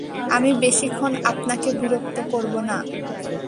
আমি বেশিক্ষণ আপনাকে বিরক্ত করব না।